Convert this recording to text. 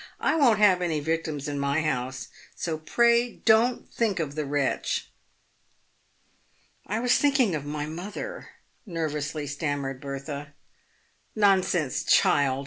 I won't have any victims in my house, so pray don't think of the wretch." " I was thinking of my mother," nervously stammered Bertha. " Nonsense, child